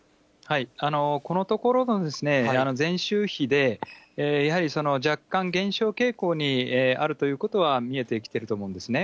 このところの前週比で、やはり若干、減少傾向にあるということは見えてきていると思うんですね。